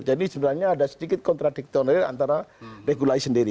jadi sebenarnya ada sedikit kontradiktori antara regulasi sendiri